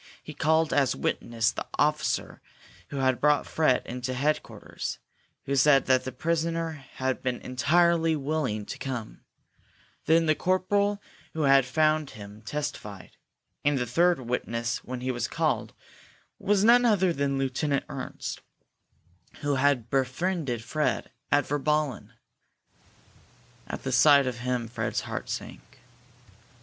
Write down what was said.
He called as witness the officer who had brought Fred into headquarters, who said that the prisoner had been entirely willing to come. Then the corporal who had found him testified. And the third witness, when he was called, was none other than Lieutenant Ernst, who had befriended Fred at Virballen! At the sight of him Fred's heart sank.